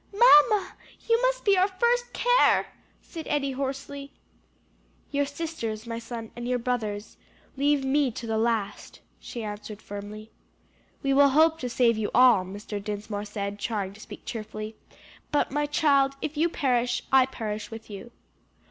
"Mamma, you must be our first care!" said Eddie hoarsely. "Your sisters, my son, and your brothers. Leave me to the last," she answered firmly. "We will hope to save you all," Mr. Dinsmore said, trying to speak cheerfully; "but, my child, if you perish, I perish with you."